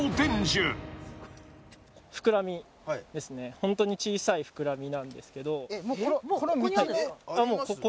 ホントに小さい膨らみなんですけど。